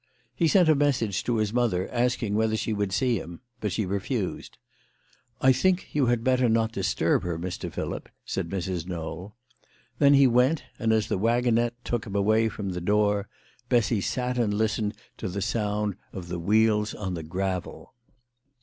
He sent a message to his mother, asking whether she would see him ; but she refused. " I think you had better not disturb her, Mr. Philip," said Mrs. Knowl. Then he went, and as the waggonette took him away from the door, Bessy sat and listened to the sound of the wheels on the gravel.